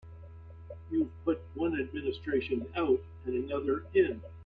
You've put one administration out and another in.